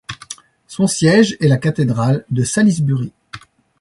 Son siège est la cathédrale de Salisbury.